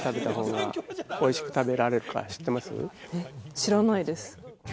知らないです。